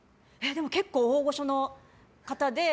結構、大御所の方で。